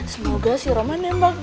semoga si roman nembak